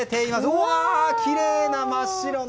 うわあ、きれいな、真っ白な！